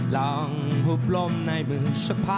สนุนโดยอีซุสุสุข